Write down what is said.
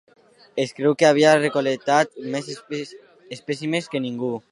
Es creu que havia recol·lectat més espècimens que ningú.